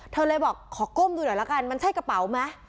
เธอเลยบอกขอก้มดูหน่อยละกันมันใช่กระเป๋าไหม